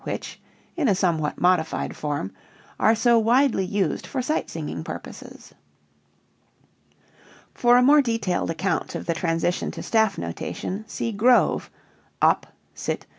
which (in a somewhat modified form) are so widely used for sight singing purposes. (For a more detailed account of the transition to staff notation, see Grove, op. cit.